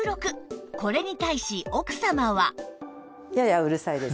これに対し奥様は